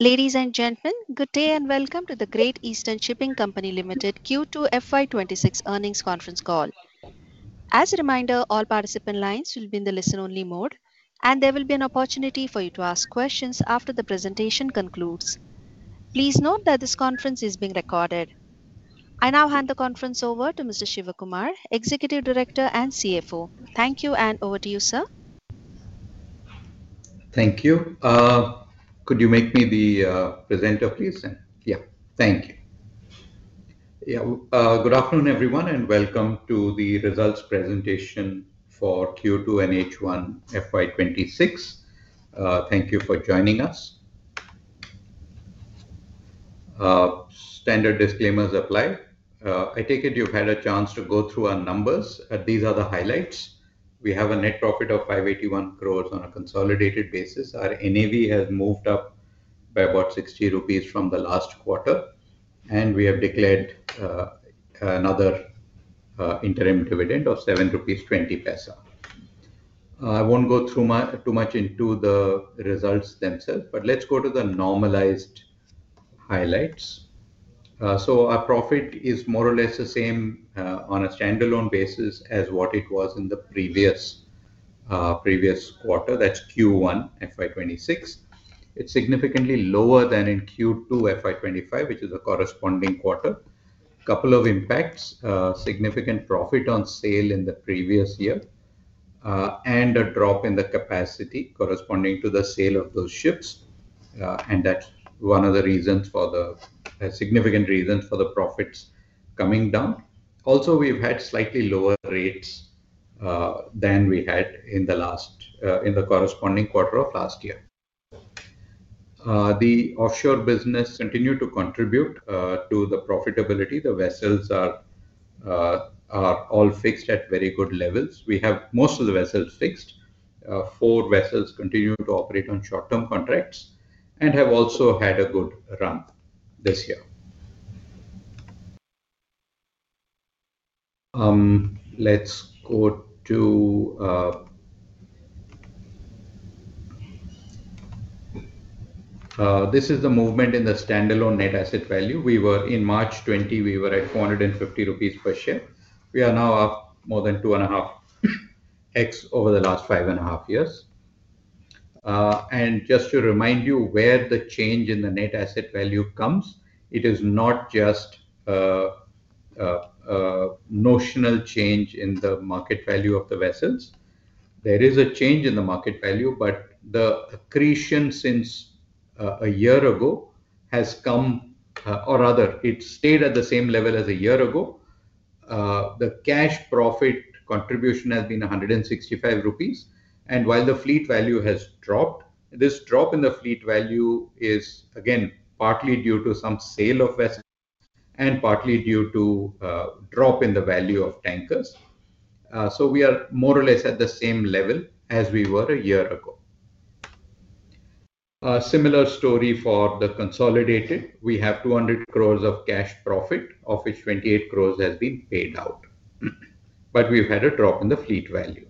Ladies and gentlemen, good day and welcome to the Great Eastern Shipping Company Limited Q2 FY26 Earnings Conference Call. As a reminder, all participant lines will be in the listen-only mode, and there will be an opportunity for you to ask questions after the presentation concludes. Please note that this conference is being recorded. I now hand the conference over to Mr. G. Shivakumar, Executive Director and CFO. Thank you, and over to you, sir. Thank you. Could you make me the presenter, please? Yeah. Thank you. Yeah. Good afternoon, everyone, and welcome to the results presentation for Q2 and H1 FY2026. Thank you for joining us. Standard disclaimers apply. I take it you've had a chance to go through our numbers. These are the highlights. We have a net profit of 581 crore on a consolidated basis. Our NAV has moved up by about 60 rupees from the last quarter, and we have declared another interim dividend of 7.20 rupees. I won't go too much into the results themselves, but let's go to the normalized highlights. Our profit is more or less the same on a standalone basis as what it was in the previous quarter. That's Q1 FY2026. It's significantly lower than in Q2 FY2025, which is a corresponding quarter. A couple of impacts: significant profit on sale in the previous year and a drop in the capacity corresponding to the sale of those ships. That is one of the significant reasons for the profits coming down. Also, we have had slightly lower rates than we had in the corresponding quarter of last year. The offshore business continued to contribute to the profitability. The vessels are all fixed at very good levels. We have most of the vessels fixed. Four vessels continue to operate on short-term contracts and have also had a good run this year. This is the movement in the standalone net asset value. In March 2020, we were at 450 rupees per share. We are now up more than two and a half X over the last five and a half years. Just to remind you where the change in the net asset value comes, it is not just a notional change in the market value of the vessels. There is a change in the market value, but the accretion since a year ago has come, or rather, it stayed at the same level as a year ago. The cash profit contribution has been 165 rupees. While the fleet value has dropped, this drop in the fleet value is, again, partly due to some sale of vessels and partly due to a drop in the value of tankers. We are more or less at the same level as we were a year ago. Similar story for the consolidated. We have 200 crores of cash profit, of which 28 crores has been paid out. We have had a drop in the fleet value.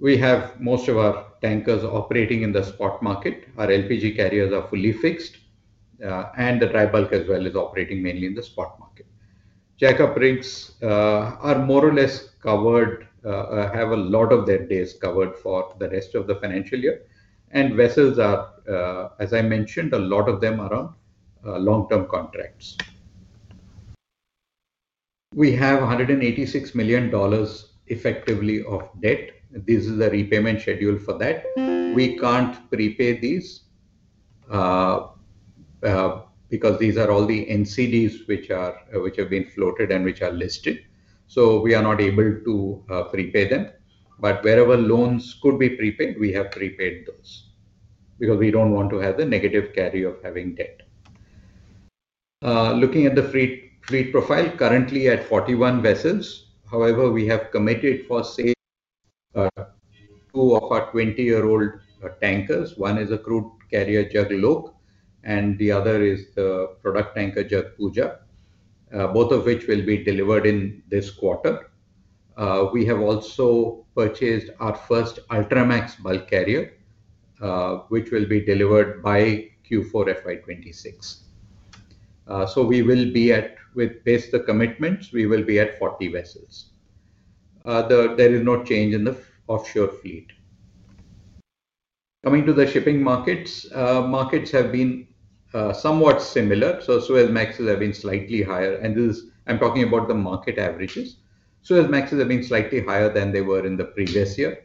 We have most of our tankers operating in the spot market. Our LPG carriers are fully fixed, and the Tribulk as well is operating mainly in the spot market. Jackup rigs are more or less covered, have a lot of their days covered for the rest of the financial year. Vessels are, as I mentioned, a lot of them are on long-term contracts. We have $186 million effectively of debt. This is the repayment schedule for that. We cannot prepay these because these are all the NCDs which have been floated and which are listed. We are not able to prepay them. Wherever loans could be prepaid, we have prepaid those because we do not want to have the negative carry of having debt. Looking at the fleet profile, currently at 41 vessels. However, we have committed for sale two of our 20-year-old tankers. One is a crude carrier, Jag Loke, and the other is the product tanker, Jag Pooja, both of which will be delivered in this quarter. We have also purchased our first Ultramax bulk carrier, which will be delivered by Q4 FY2026. We will be at, with base the commitments, we will be at 40 vessels. There is no change in the offshore fleet. Coming to the shipping markets, markets have been somewhat similar. Suezmax have been slightly higher. I am talking about the market averages. Suezmax have been slightly higher than they were in the previous year,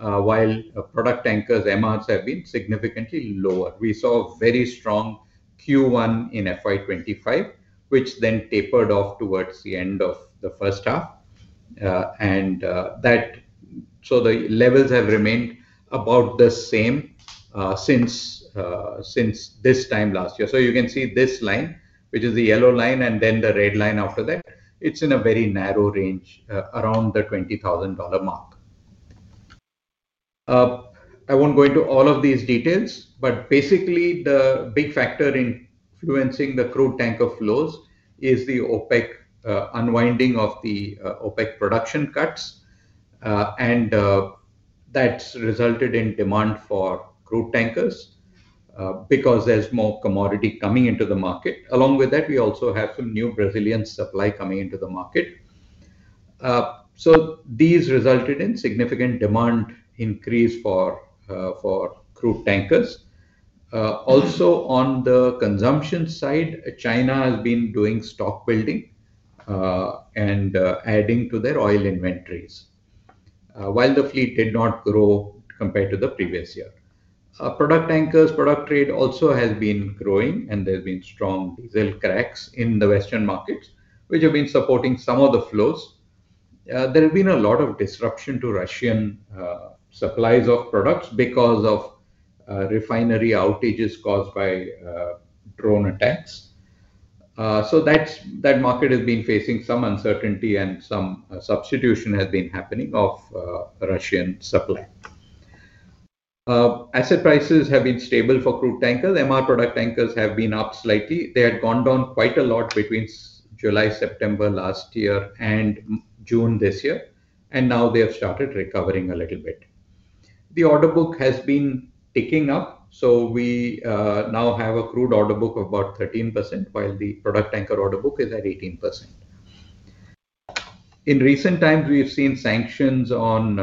while product tankers, MRs, have been significantly lower. We saw very strong Q1 in FY2025, which then tapered off towards the end of the first half. The levels have remained about the same since this time last year. You can see this line, which is the yellow line, and then the red line after that. It is in a very narrow range around the $20,000 mark. I will not go into all of these details, but basically, the big factor in influencing the crude tanker flows is the OPEC unwinding of the OPEC production cuts. That has resulted in demand for crude tankers because there is more commodity coming into the market. Along with that, we also have some new Brazilian supply coming into the market. These resulted in significant demand increase for crude tankers. Also, on the consumption side, China has been doing stock building and adding to their oil inventories while the fleet did not grow compared to the previous year. Product tankers, product trade also has been growing, and there have been strong diesel cracks in the Western markets, which have been supporting some of the flows. There have been a lot of disruption to Russian supplies of products because of refinery outages caused by drone attacks. That market has been facing some uncertainty, and some substitution has been happening of Russian supply. Asset prices have been stable for crude tankers. MR product tankers have been up slightly. They had gone down quite a lot between July, September last year and June this year, and now they have started recovering a little bit. The order book has been ticking up. We now have a crude order book of about 13%, while the product tanker order book is at 18%. In recent times, we have seen sanctions on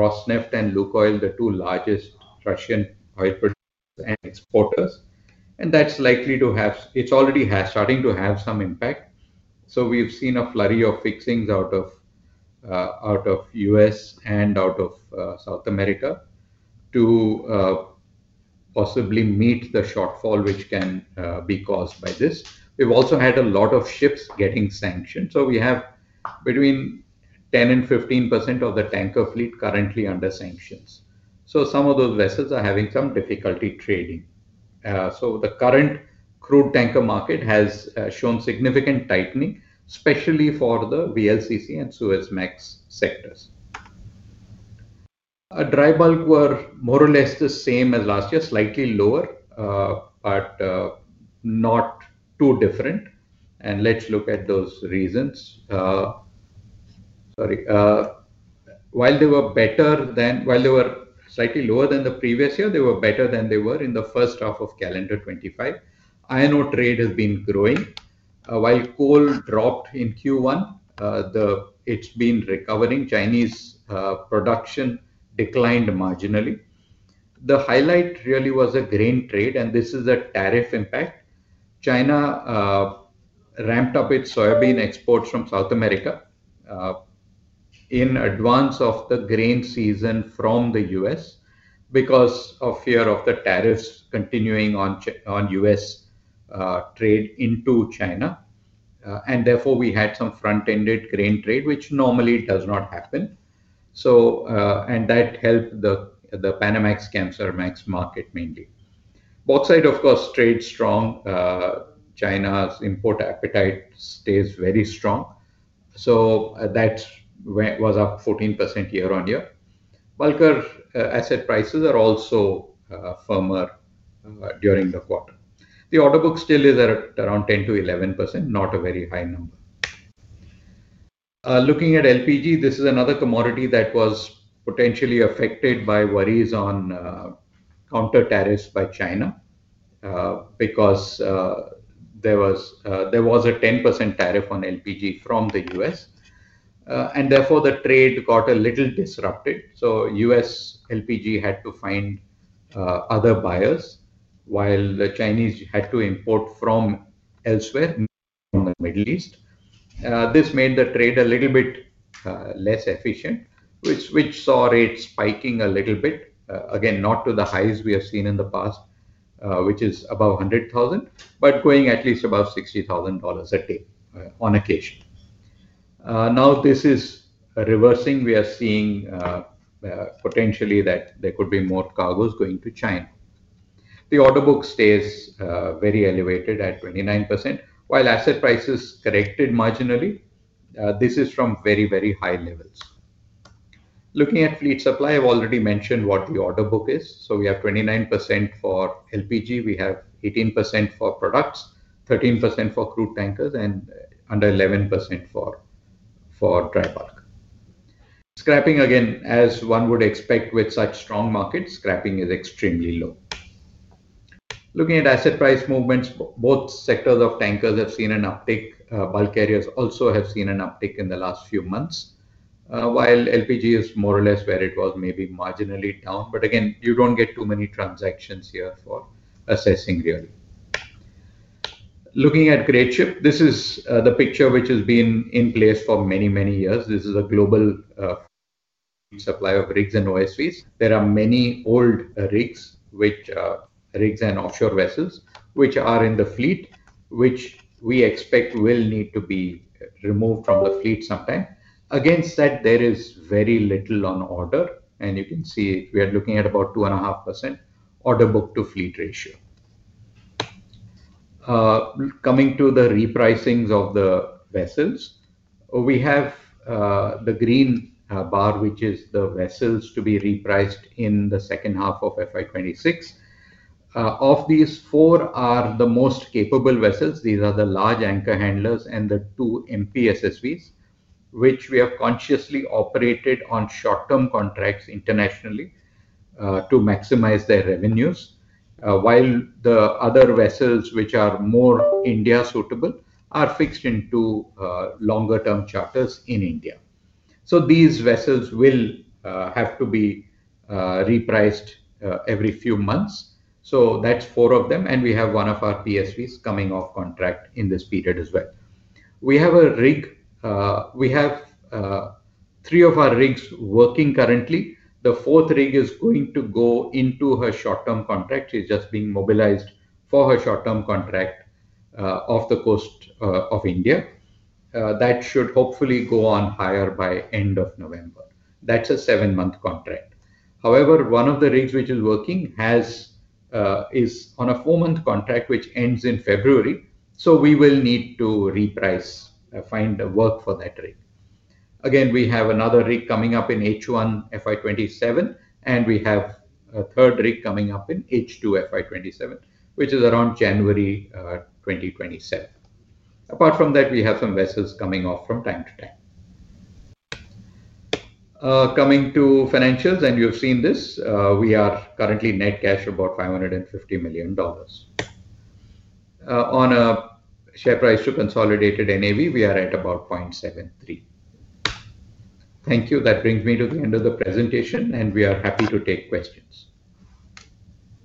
Rosneft and Lukoil, the two largest Russian oil producers and exporters. That is likely to have, it is already starting to have, some impact. We have seen a flurry of fixings out of the U.S. and out of South America to possibly meet the shortfall which can be caused by this. We have also had a lot of ships getting sanctioned. We have between 10% and 15% of the tanker fleet currently under sanctions. Some of those vessels are having some difficulty trading. The current crude tanker market has shown significant tightening, especially for the VLCC and Suezmax sectors. Dry bulk was more or less the same as last year, slightly lower, but not too different. Let us look at those reasons. Sorry. While they were slightly lower than the previous year, they were better than they were in the first half of calendar 2025. Iron ore trade has been growing. While coal dropped in Q1, it's been recovering. Chinese production declined marginally. The highlight really was a grain trade, and this is a tariff impact. China ramped up its soybean exports from South America in advance of the grain season from the U.S. because of fear of the tariffs continuing on U.S. trade into China. Therefore, we had some front-ended grain trade, which normally does not happen. That helped the Panamax-Capesize market mainly. Both sides, of course, trade strong. China's import appetite stays very strong. That was up 14% year on year. Bulk asset prices are also firmer during the quarter. The order book still is at around 10-11%, not a very high number. Looking at LPG, this is another commodity that was potentially affected by worries on counter tariffs by China because there was a 10% tariff on LPG from the U.S. Therefore, the trade got a little disrupted. US LPG had to find other buyers, while the Chinese had to import from elsewhere, from the Middle East. This made the trade a little bit less efficient, which saw rates spiking a little bit. Again, not to the highs we have seen in the past, which is above $100,000, but going at least above $60,000 a day on occasion. Now, this is reversing. We are seeing potentially that there could be more cargoes going to China. The order book stays very elevated at 29%, while asset prices corrected marginally. This is from very, very high levels. Looking at fleet supply, I have already mentioned what the order book is. We have 29% for LPG. We have 18% for products, 13% for crude tankers, and under 11% for dry bulk. Scrapping, again, as one would expect with such strong markets, scrapping is extremely low. Looking at asset price movements, both sectors of tankers have seen an uptick. Bulk carriers also have seen an uptick in the last few months, while LPG is more or less where it was, maybe marginally down. Again, you do not get too many transactions here for assessing really. Looking at Greatship, this is the picture which has been in place for many, many years. This is a global supply of rigs and OSVs. There are many old rigs and offshore vessels which are in the fleet, which we expect will need to be removed from the fleet sometime. Against that, there is very little on order. You can see we are looking at about 2.5% order book to fleet ratio. Coming to the repricings of the vessels, we have the green bar, which is the vessels to be repriced in the second half of FY26. Of these, four are the most capable vessels. These are the large anchor handlers and the two MPSSVs, which we have consciously operated on short-term contracts internationally to maximize their revenues, while the other vessels, which are more India-suitable, are fixed into longer-term charters in India. These vessels will have to be repriced every few months. That is four of them. We have one of our PSVs coming off contract in this period as well. We have a rig. We have three of our rigs working currently. The fourth rig is going to go into her short-term contract. She is just being mobilized for her short-term contract off the coast of India. That should hopefully go on hire by end of November. That's a seven-month contract. However, one of the rigs which is working is on a four-month contract, which ends in February. We will need to reprice, find work for that rig. Again, we have another rig coming up in H1 FY2027, and we have a third rig coming up in H2 FY2027, which is around January 2027. Apart from that, we have some vessels coming off from time to time. Coming to financials, and you've seen this, we are currently net cash about $550 million. On a share price to consolidated NAV, we are at about 0.73. Thank you. That brings me to the end of the presentation, and we are happy to take questions.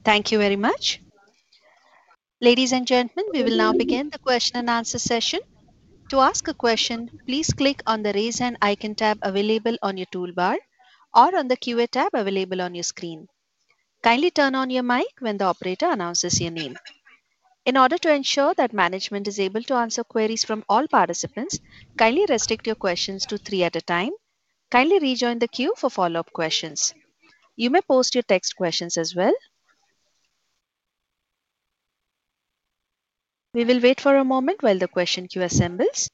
Thank you very much. Ladies and gentlemen, we will now begin the question and answer session. To ask a question, please click on the raise hand icon tab available on your toolbar or on the QA tab available on your screen. Kindly turn on your mic when the operator announces your name. In order to ensure that management is able to answer queries from all participants, kindly restrict your questions to three at a time. Kindly rejoin the queue for follow-up questions. You may post your text questions as well. We will wait for a moment while the question queue assembles.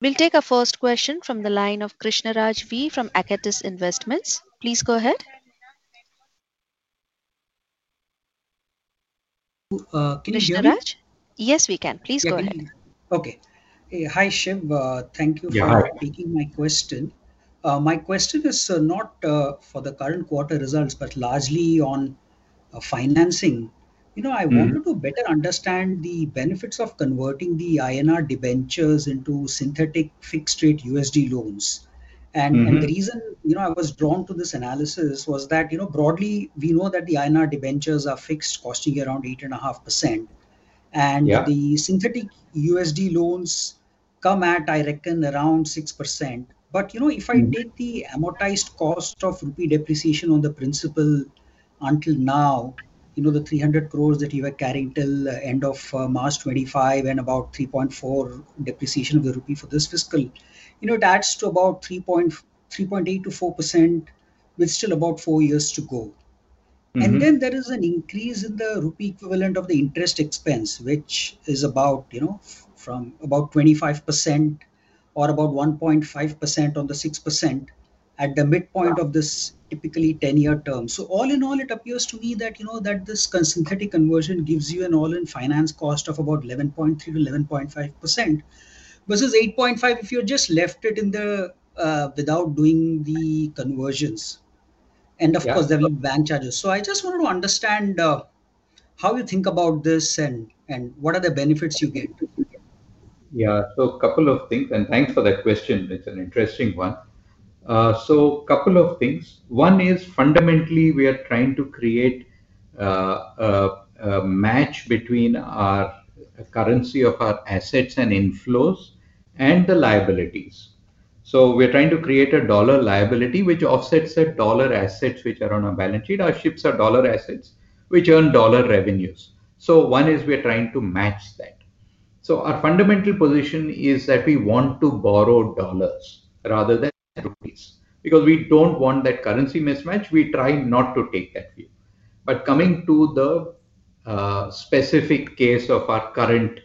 We'll take a first question from the line of Krishnaraj V from Acatis Investments. Please go ahead. Krishnaraj? Yes, we can. Please go ahead. Okay. Hi, Shiv. Thank you for taking my question. My question is not for the current quarter results, but largely on financing. I wanted to better understand the benefits of converting the INR debentures into synthetic fixed-rate USD loans. The reason I was drawn to this analysis was that broadly, we know that the INR debentures are fixed, costing around 8.5%. The synthetic USD loans come at, I reckon, around 6%. If I take the amortized cost of rupee depreciation on the principal until now, the 300 crore that you were carrying till end of March 2025 and about 3.4% depreciation of the rupee for this fiscal, it adds to about 3.8%-4% with still about four years to go. There is an increase in the rupee equivalent of the interest expense, which is about from about 25% or about 1.5% on the 6% at the midpoint of this typically 10-year term. All in all, it appears to me that this synthetic conversion gives you an all-in finance cost of about 11.3%-11.5% versus 8.5% if you just left it without doing the conversions. Of course, there are bank charges. I just wanted to understand how you think about this and what are the benefits you get. Yeah. A couple of things. Thanks for that question. It's an interesting one. A couple of things. One is fundamentally, we are trying to create a match between our currency of our assets and inflows and the liabilities. We're trying to create a dollar liability, which offsets dollar assets, which are on our balance sheet. Our ships are dollar assets, which earn dollar revenues. One is we're trying to match that. Our fundamental position is that we want to borrow dollars rather than rupees because we do not want that currency mismatch. We try not to take that view. Coming to the specific case of our current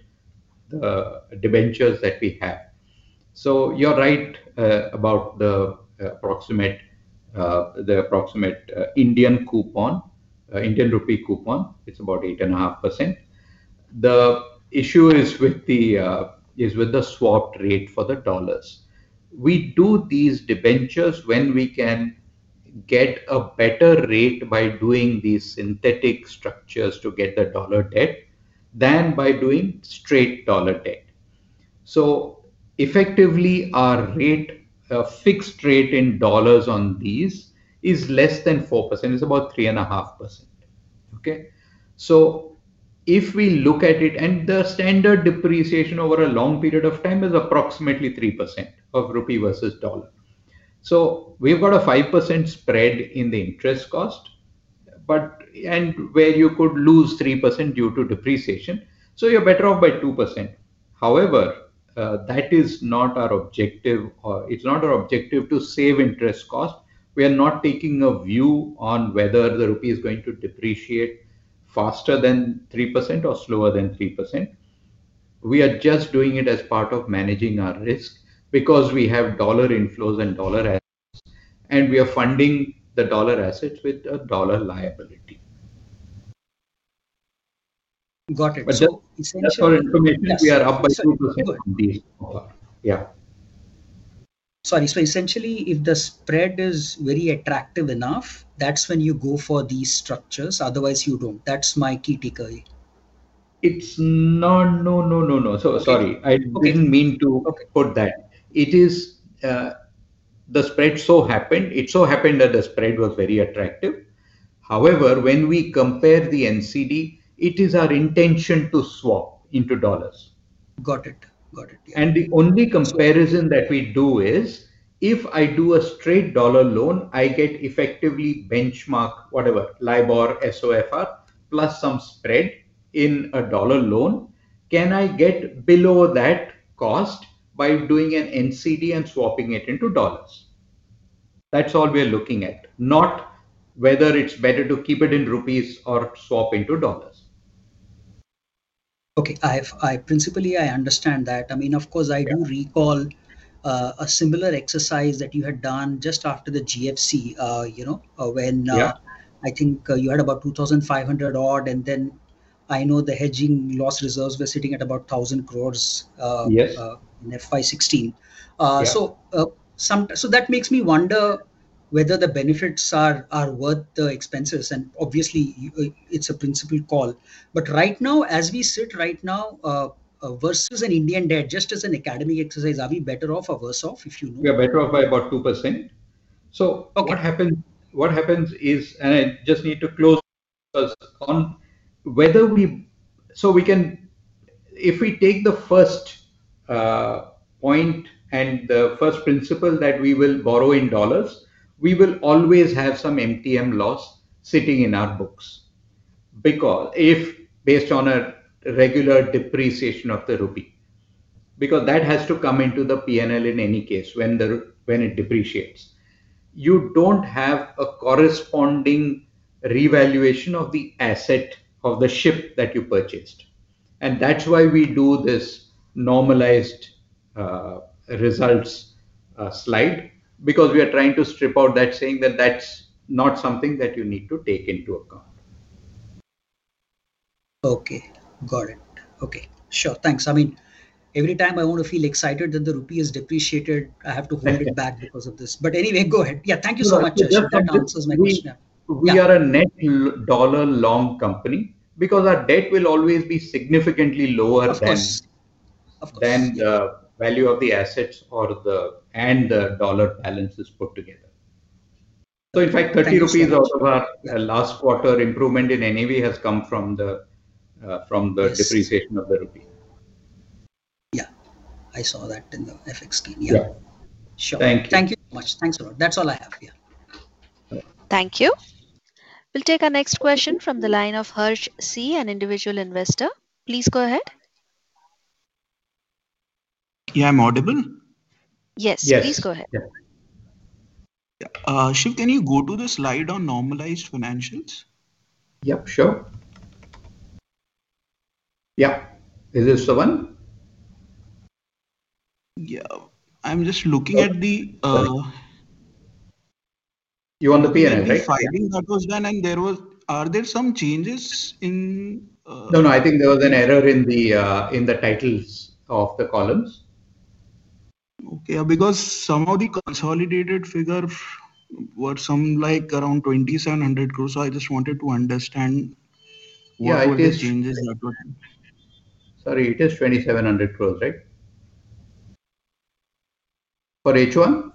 debentures that we have, you are right about the approximate Indian rupee coupon. It is about 8.5%. The issue is with the swap rate for the dollars. We do these debentures when we can get a better rate by doing these synthetic structures to get the dollar debt than by doing straight dollar debt. Effectively, our fixed rate in dollars on these is less than 4%. It is about 3.5%. If we look at it, the standard depreciation over a long period of time is approximately 3% of rupee versus dollar. We have a 5% spread in the interest cost, and you could lose 3% due to depreciation. You are better off by 2%. However, that is not our objective. It is not our objective to save interest cost. We are not taking a view on whether the rupee is going to depreciate faster than 3% or slower than 3%. We are just doing it as part of managing our risk because we have dollar inflows and dollar assets, and we are funding the dollar assets with a dollar liability. Got it. That is for information. We are up by 2% on these. Sorry. Essentially, if the spread is very attractive enough, that is when you go for these structures. Otherwise, you do not. That is my key takeaway. No, no, no, no. Sorry. I did not mean to put that. The spread so happened. It so happened that the spread was very attractive. However, when we compare the NCD, it is our intention to swap into dollars. Got it. Got it. The only comparison that we do is if I do a straight dollar loan, I get effectively benchmark whatever, LIBOR, SOFR, plus some spread in a dollar loan. Can I get below that cost by doing an NCD and swapping it into dollars? That is all we are looking at, not whether it is better to keep it in rupees or swap into dollars. Okay. Principally, I understand that. I mean, of course, I do recall a similar exercise that you had done just after the GFC when I think you had about 2,500 odd. I know the hedging loss reserves were sitting at about 1,000 crore in FY2016. That makes me wonder whether the benefits are worth the expenses. Obviously, it is a principal call. Right now, as we sit right now versus an Indian debt, just as an academic exercise, are we better off or worse off, if you know? We are better off by about 2%. What happens is, and I just need to close on whether we, so if we take the first point and the first principal that we will borrow in dollars, we will always have some MTM loss sitting in our books based on a regular depreciation of the rupee because that has to come into the P&L in any case when it depreciates. You do not have a corresponding revaluation of the asset of the ship that you purchased. That is why we do this normalized results slide because we are trying to strip out that, saying that is not something that you need to take into account. Okay. Got it. Okay. Sure. Thanks. I mean, every time I want to feel excited that the rupee is depreciated, I have to hold it back because of this. Anyway, go ahead. Yeah. Thank you so much. That answers my question. We are a net dollar long company because our debt will always be significantly lower than the value of the assets and the dollar balances put together. In fact, 30 rupees out of our last quarter improvement in NAV has come from the depreciation of the rupee. Yeah. I saw that in the FX screen. Yeah. Sure. Thank you. Thank you so much. Thanks a lot. That's all I have. Yeah. Thank you. We'll take our next question from the line of [Hersh C], an individual investor. Please go ahead. Yeah. Am I audible? Yes. Please go ahead. Shiv, can you go to the slide on normalized financials? Yep. Sure. Yeah. Is this the one? Yeah. I'm just looking at the—you want the P&L, right? The filing that was done, and there were some changes in—no, no. I think there was an error in the titles of the columns. Okay. Because some of the consolidated figure were around 2,700 crore. So I just wanted to understand what the changes that were. Sorry. It is 2,700 crore, right? For H1?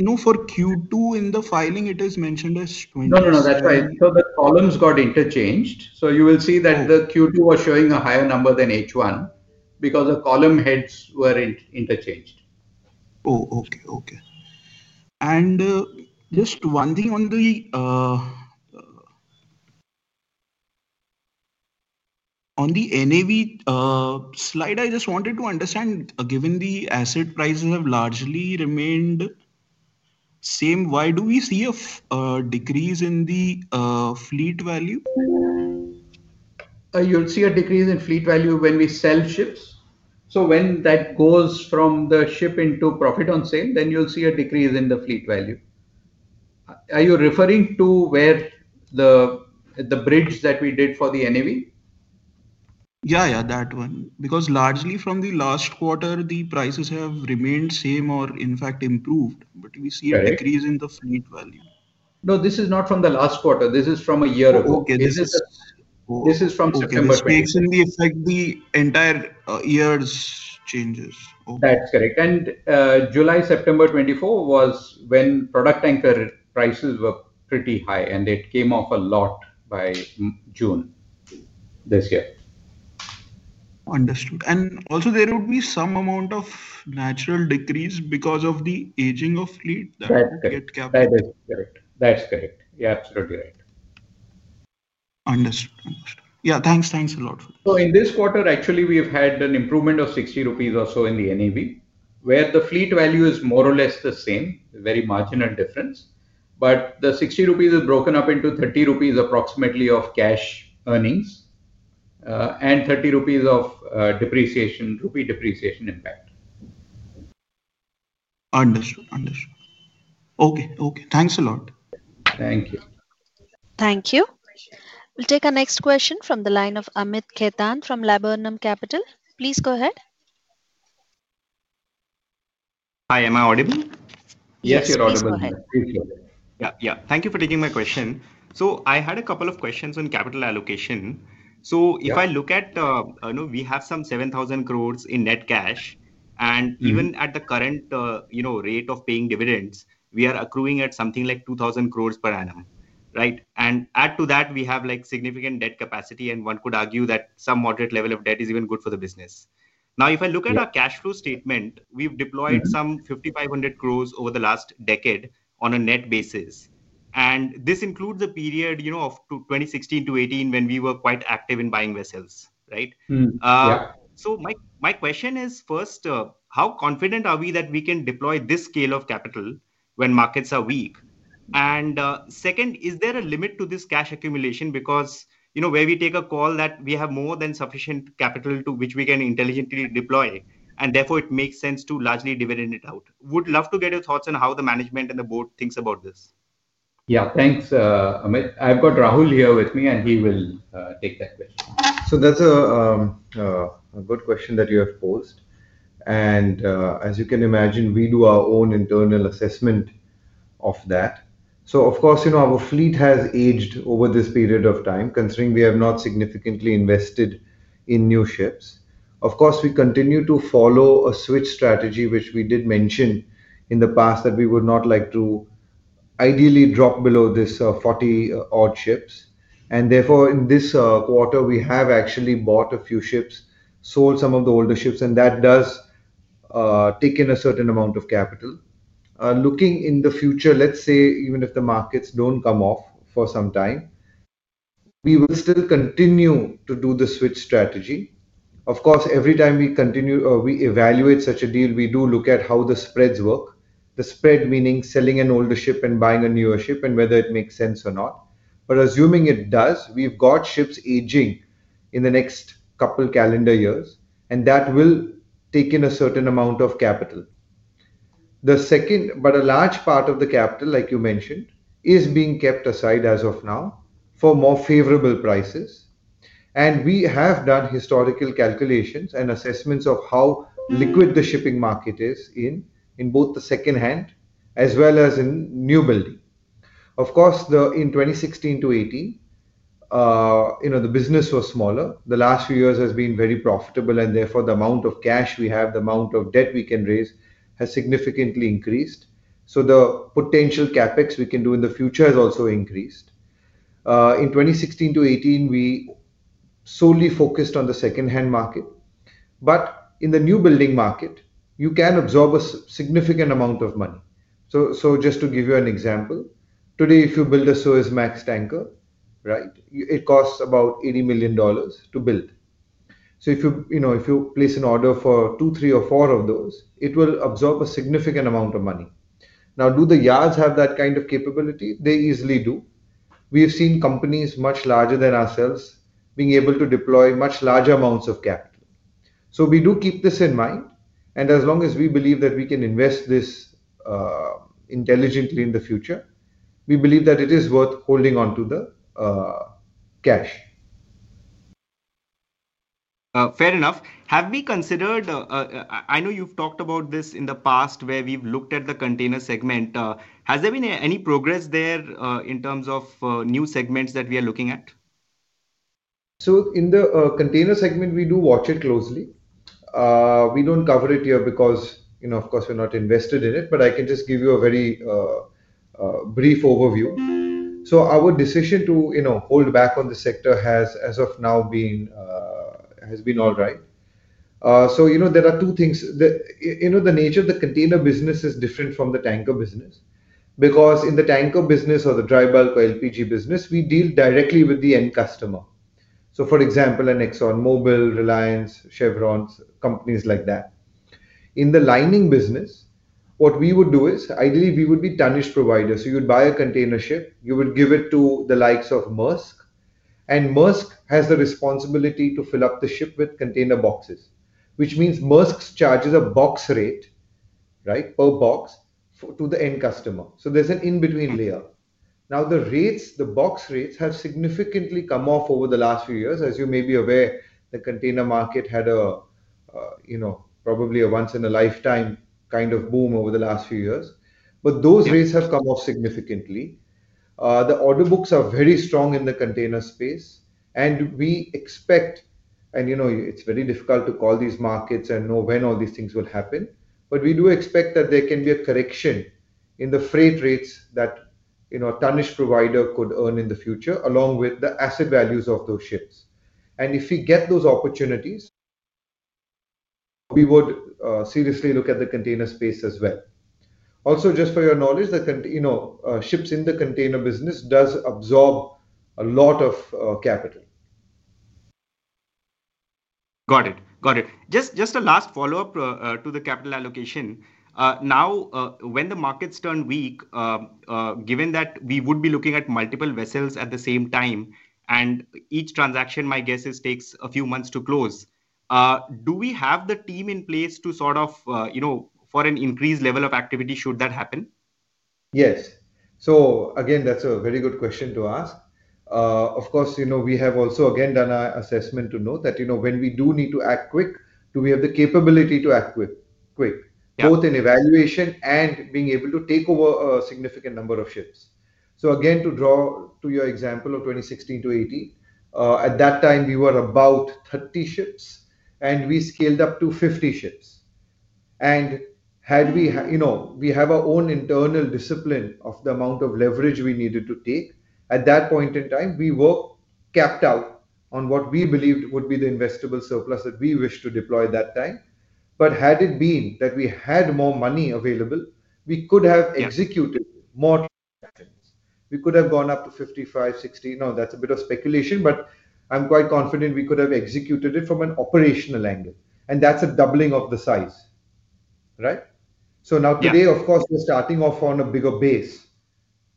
No. For Q2 in the filing, it is mentioned as 2,700 crore. No, no, no. That's why. So the columns got interchanged. You will see that the Q2 was showing a higher number than H1 because the column heads were interchanged. Oh, okay. Okay. Just one thing on the NAV slide, I just wanted to understand, given the asset prices have largely remained same, why do we see a decrease in the fleet value? You'll see a decrease in fleet value when we sell ships. So when that goes from the ship into profit on sale, then you'll see a decrease in the fleet value. Are you referring to the bridge that we did for the NAV? Yeah. Yeah. That one. Because largely from the last quarter, the prices have remained same or, in fact, improved, but we see a decrease in the fleet value. No, this is not from the last quarter. This is from a year ago. This is from September 2024. Okay. So this takes in the effect the entire year's changes. That's correct. July-September 2024 was when product tanker prices were pretty high, and it came off a lot by June this year. Understood. Also, there would be some amount of natural decrease because of the aging of fleet that get captured. That is correct. That's correct. You're absolutely right. Understood. Understood. Yeah. Thanks. Thanks a lot for that. In this quarter, actually, we have had an improvement of 60 rupees or so in the NAV, where the fleet value is more or less the same, very marginal difference. The 60 rupees is broken up into 30 rupees approximately of cash earnings and 30 of rupee depreciation impact. Understood. Understood. Okay. Okay. Thanks a lot. Thank you. Thank you. We'll take our next question from the line of Amit Khetan from Laburnum Capital. Please go ahead. Hi. Am I audible? Yes, you're audible. Thank you. Yeah. Yeah. Thank you for taking my question. I had a couple of questions on capital allocation. If I look at we have some 7,000 crore in net cash. Even at the current rate of paying dividends, we are accruing at something like 2,000 crore per annum, right? Add to that, we have significant debt capacity, and one could argue that some moderate level of debt is even good for the business. Now, if I look at our cash flow statement, we have deployed 5,500 crore over the last decade on a net basis. This includes a period of 2016 to 2018 when we were quite active in buying vessels, right? My question is, first, how confident are we that we can deploy this scale of capital when markets are weak? Second, is there a limit to this cash accumulation? Where do we take a call that we have more than sufficient capital which we can intelligently deploy, and therefore, it makes sense to largely dividend it out? Would love to get your thoughts on how the management and the board thinks about this. Yeah. Thanks, Amit. I've got Rahul here with me, and he will take that question. That is a good question that you have posed. As you can imagine, we do our own internal assessment of that. Of course, our fleet has aged over this period of time, considering we have not significantly invested in new ships. Of course, we continue to follow a switch strategy, which we did mention in the past, that we would not like to ideally drop below this 40-odd ships. Therefore, in this quarter, we have actually bought a few ships, sold some of the older ships, and that does take in a certain amount of capital. Looking in the future, let's say, even if the markets do not come off for some time, we will still continue to do the switch strategy. Of course, every time we evaluate such a deal, we do look at how the spreads work, the spread meaning selling an older ship and buying a newer ship and whether it makes sense or not. Assuming it does, we've got ships aging in the next couple of calendar years, and that will take in a certain amount of capital. A large part of the capital, like you mentioned, is being kept aside as of now for more favorable prices. We have done historical calculations and assessments of how liquid the shipping market is in both the second-hand as well as in new building. Of course, in 2016 to 2018, the business was smaller. The last few years have been very profitable, and therefore, the amount of cash we have, the amount of debt we can raise has significantly increased. The potential CapEx we can do in the future has also increased. In 2016 to 2018, we solely focused on the second-hand market. In the new building market, you can absorb a significant amount of money. Just to give you an example, today, if you build a Suezmax Tanker, it costs about $80 million to build. If you place an order for two, three, or four of those, it will absorb a significant amount of money. Now, do the yards have that kind of capability? They easily do. We have seen companies much larger than ourselves being able to deploy much larger amounts of capital. We do keep this in mind. As long as we believe that we can invest this intelligently in the future, we believe that it is worth holding on to the cash. Fair enough. Have we considered? I know you've talked about this in the past where we've looked at the container segment. Has there been any progress there in terms of new segments that we are looking at? In the container segment, we do watch it closely. We don't cover it here because, of course, we're not invested in it. I can just give you a very brief overview. Our decision to hold back on the sector has, as of now, been all right. There are two things. The nature of the container business is different from the tanker business because in the tanker business or the dry bulk or LPG business, we deal directly with the end customer. For example, an ExxonMobil, Reliance, Chevron, companies like that. In the liner business, what we would do is, ideally, we would be tonnage providers. You'd buy a container ship. You would give it to the likes of Maersk. Maersk has the responsibility to fill up the ship with container boxes, which means Maersk charges a box rate, right, per box to the end customer. There is an in-between layer. Now, the box rates have significantly come off over the last few years. As you may be aware, the container market had probably a once-in-a-lifetime kind of boom over the last few years. Those rates have come off significantly. The order books are very strong in the container space. We expect—and it is very difficult to call these markets and know when all these things will happen—we do expect that there can be a correction in the freight rates that a Tannish provider could earn in the future, along with the asset values of those ships. If we get those opportunities, we would seriously look at the container space as well. Also, just for your knowledge, the ships in the container business do absorb a lot of capital. Got it. Got it. Just a last follow-up to the capital allocation. Now, when the markets turn weak, given that we would be looking at multiple vessels at the same time, and each transaction, my guess, takes a few months to close, do we have the team in place to sort of, for an increased level of activity, should that happen? Yes. That is a very good question to ask. Of course, we have also done our assessment to know that when we do need to act quick, do we have the capability to act quick, both in evaluation and being able to take over a significant number of ships? Again, to draw to your example of 2016 to 2018, at that time, we were about 30 ships, and we scaled up to 50 ships. Had we—we have our own internal discipline of the amount of leverage we needed to take. At that point in time, we were capped out on what we believed would be the investable surplus that we wished to deploy at that time. Had it been that we had more money available, we could have executed more patterns. We could have gone up to 55, 60. Now, that is a bit of speculation, but I am quite confident we could have executed it from an operational angle. That is a doubling of the size, right? Now, today, of course, we are starting off on a bigger base.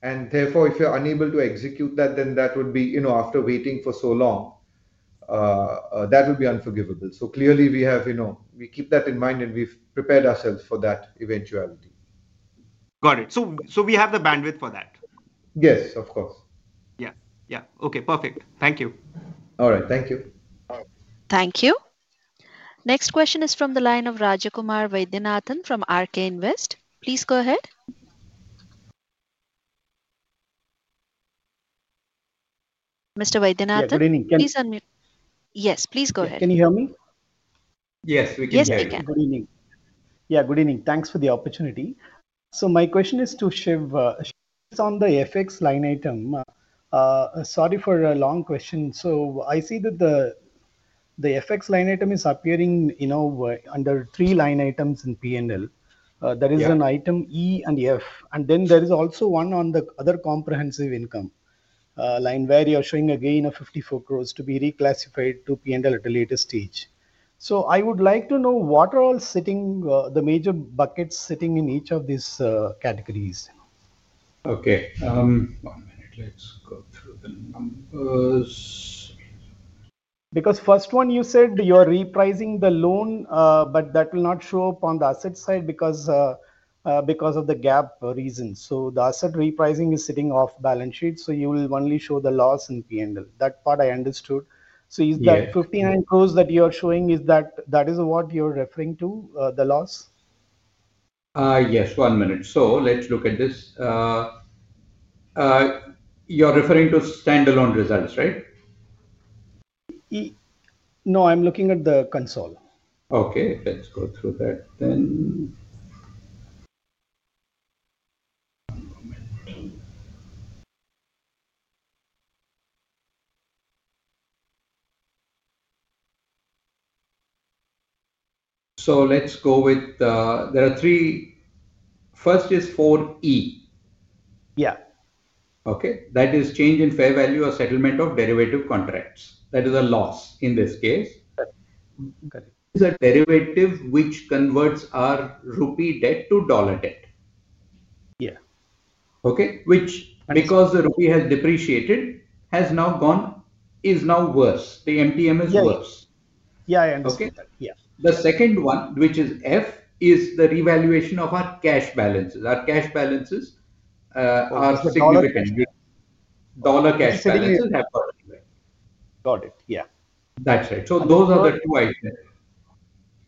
Therefore, if you're unable to execute that, then that would be, after waiting for so long, that would be unforgivable. Clearly, we keep that in mind, and we've prepared ourselves for that eventuality. Got it. We have the bandwidth for that? Yes, of course. Yeah. Yeah. Okay. Perfect. Thank you. All right. Thank you. Thank you. Next question is from the line of Rajakumar Vaidyanathan from RK Invest. Please go ahead. Mr. Vaidyanathan? Good evening. Can you? Yes, please go ahead. Can you hear me? Yes, we can hear you. Yes, we can. Good evening. Yeah. Good evening. Thanks for the opportunity. My question is to Shiv. It's on the FX line item. Sorry for a long question. I see that the FX line item is appearing under three line items in P&L. There is an item E and F. There is also one on the other comprehensive income line where you're showing again 54 crores to be reclassified to P&L at a later stage. I would like to know what are all the major buckets sitting in each of these categories? Okay. One minute. Let's go through the numbers. Because first one, you said you're repricing the loan, but that will not show up on the asset side because of the gap reasons. The asset repricing is sitting off balance sheet, so you will only show the loss in P&L. That part I understood. Is that 59 crores that you're showing, is that what you're referring to, the loss? Yes. One minute. Let's look at this. You're referring to standalone results, right? No, I'm looking at the console. Okay. Let's go through that then. One moment. Let's go with the—there are three. First is 4E. Yeah. Okay. That is change in fair value or settlement of derivative contracts. That is a loss in this case. Is a derivative which converts our rupee debt to dollar debt. Yeah. Okay. Which, because the rupee has depreciated, has now gone—is now worse. The MTM is worse. Yeah. Yeah. I understand that. Yeah. The second one, which is F, is the revaluation of our cash balances. Our cash balances are significant. Dollar cash balances have gotten worse. Got it. Yeah. That's right. So those are the two items.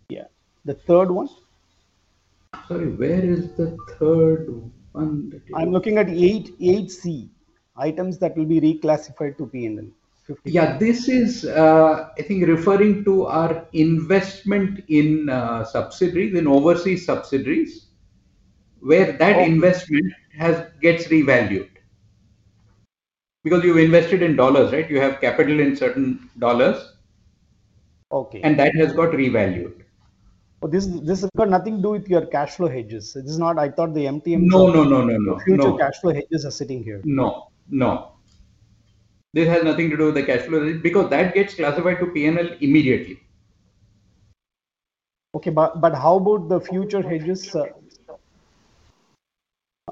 Yeah. The third one? Sorry. Where is the third one? I'm looking at 8C, items that will be reclassified to P&L. 54. Yeah. This is, I think, referring to our investment in subsidiaries, in overseas subsidiaries, where that investment gets revalued. Because you've invested in dollars, right? You have capital in certain dollars. That has got revalued. This has got nothing to do with your cash flow hedges. I thought the MTM— No, no, no, no, no. Future cash flow hedges are sitting here. No. No. This has nothing to do with the cash flow because that gets classified to P&L immediately. Okay. How about the future hedges?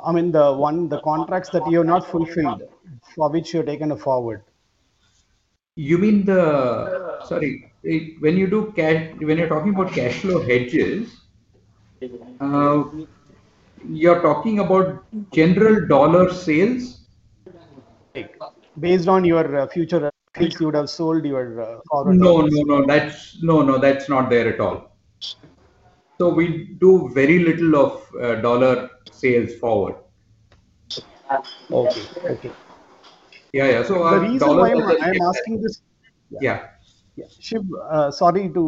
I mean, the contracts that you have not fulfilled for which you are taking a forward. You mean the—sorry. When you are talking about cash flow hedges, you are talking about general dollar sales? Based on your future, you would have sold your forward. No, no, no. No, no. That is not there at all. We do very little of dollar sales forward. Okay. Okay. Yeah. Yeah. The reason why I am asking this—yeah. Shiv, sorry to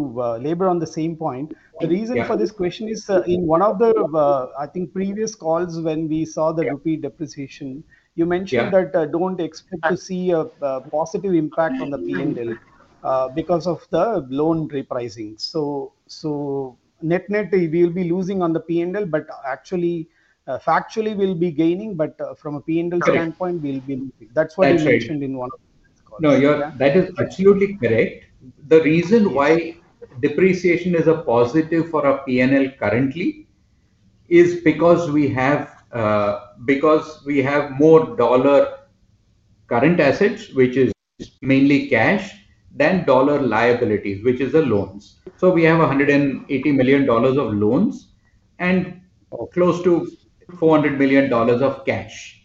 labor on the same point. The reason for this question is, in one of the, I think, previous calls when we saw the rupee depreciation, you mentioned that do not expect to see a positive impact on the P&L because of the loan repricing. Net-net, we will be losing on the P&L, but actually, factually, we will be gaining. From a P&L standpoint, we will be losing. That is what you mentioned in one of the calls. No, that is absolutely correct. The reason why depreciation is a positive for our P&L currently is because we have more dollar current assets, which is mainly cash, than dollar liabilities, which is the loans. We have $180 million of loans and close to $400 million of cash.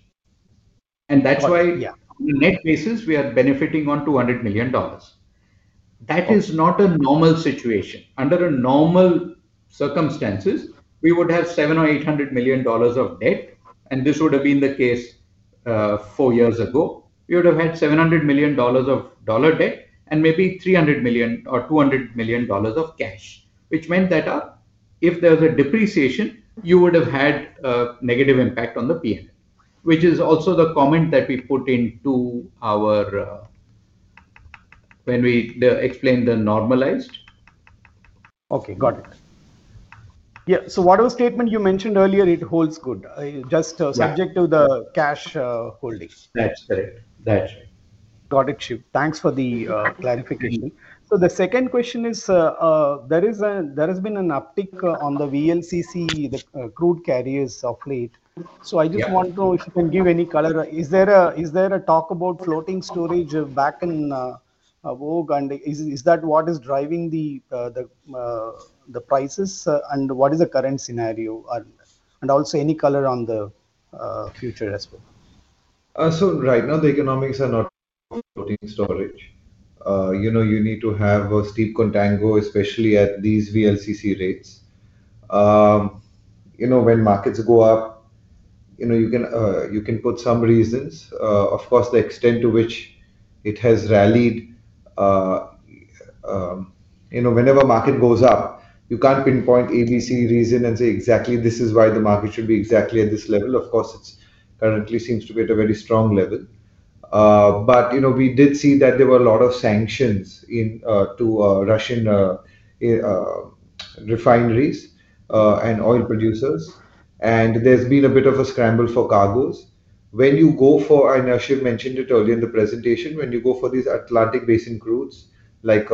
That is why, on a net basis, we are benefiting on $200 million. That is not a normal situation. Under normal circumstances, we would have $700 million or $800 million of debt. This would have been the case four years ago. We would have had $700 million of dollar debt and maybe $300 million or $200 million of cash, which meant that if there was a depreciation, you would have had a negative impact on the P&L, which is also the comment that we put into our when we explained the normalized. Okay. Got it. Yeah. Whatever statement you mentioned earlier, it holds good, just subject to the cash holding. That's correct. That's right. Got it, Shiv. Thanks for the clarification. The second question is, there has been an uptick on the VLCC, the crude carriers of late. I just want to know if you can give any color. Is there a talk about floating storage back in vogue, and is that what is driving the prices? What is the current scenario? Also, any color on the future as well? Right now, the economics are not floating storage. You need to have a steep contango, especially at these VLCC rates. When markets go up, you can put some reasons. Of course, the extent to which it has rallied, whenever market goes up, you can't pinpoint A, B, C reason and say, "Exactly, this is why the market should be exactly at this level." It currently seems to be at a very strong level. We did see that there were a lot of sanctions to Russian refineries and oil producers. There's been a bit of a scramble for cargoes. When you go for—and Shiv mentioned it earlier in the presentation—when you go for these Atlantic basin crudes, like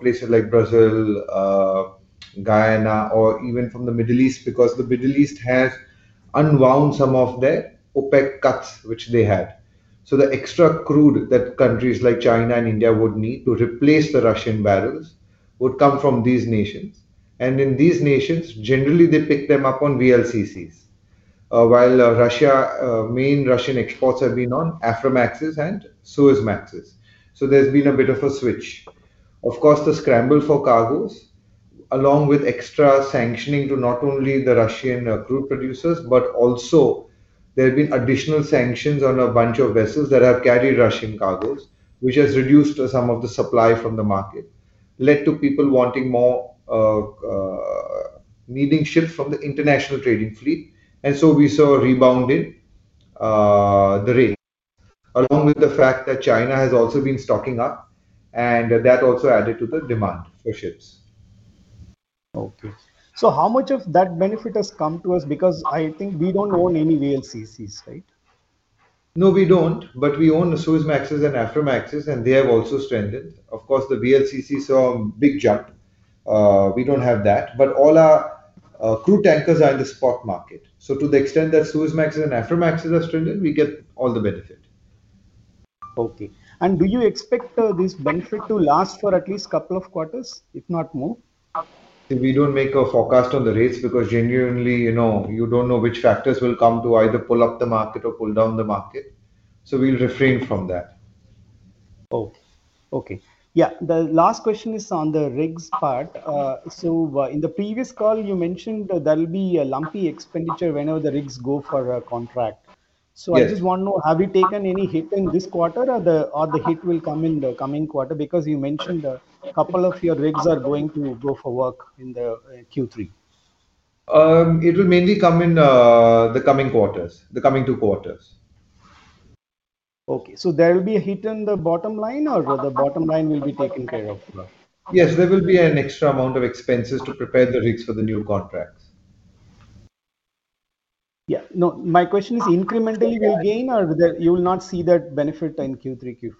places like Brazil, Guyana, or even from the Middle East, because the Middle East has unwound some of their OPEC cuts, which they had. The extra crude that countries like China and India would need to replace the Russian barrels would come from these nations. In these nations, generally, they pick them up on VLCCs, while main Russian exports have been on Aframax and Suezmax. There has been a bit of a switch. Of course, the scramble for cargoes, along with extra sanctioning to not only the Russian crude producers, but also there have been additional sanctions on a bunch of vessels that have carried Russian cargoes, which has reduced some of the supply from the market, led to people wanting more needing ships from the international trading fleet. We saw a rebound in the rate, along with the fact that China has also been stocking up, and that also added to the demand for ships. Okay. How much of that benefit has come to us? I think we do not own any VLCCs, right? No, we do not. We own Suezmax and Aframax, and they have also strengthened. Of course, the VLCC saw a big jump. We do not have that. All our crude tankers are in the spot market. To the extent that Suezmax and Aframax have strengthened, we get all the benefit. Okay. Do you expect this benefit to last for at least a couple of quarters, if not more? We do not make a forecast on the rates because, genuinely, you do not know which factors will come to either pull up the market or pull down the market. We'll refrain from that. Oh. Okay. Yeah. The last question is on the rigs part. In the previous call, you mentioned there will be a lumpy expenditure whenever the rigs go for a contract. I just want to know, have you taken any hit in this quarter, or the hit will come in the coming quarter? Because you mentioned a couple of your rigs are going to go for work in Q3. It will mainly come in the coming quarters, the coming two quarters. Okay. There will be a hit in the bottom line, or the bottom line will be taken care of? Yes. There will be an extra amount of expenses to prepare the rigs for the new contracts. Yeah. No. My question is, incrementally, will you gain or you will not see that benefit in Q3, Q4?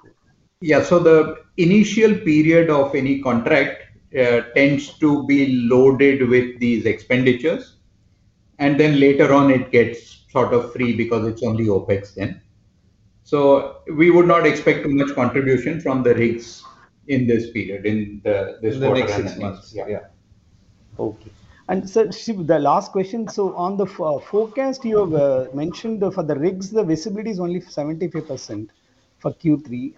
Yeah. The initial period of any contract tends to be loaded with these expenditures. Later on, it gets sort of free because it is only OPEX then. We would not expect too much contribution from the rigs in this period, in this quarter and next month. Yeah. Okay. Shiv, the last question. On the forecast, you have mentioned for the rigs, the visibility is only 75% for Q3.